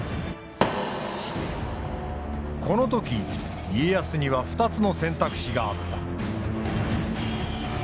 この時家康には２つの選択肢があった。